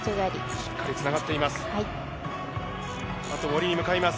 しっかりつながっています。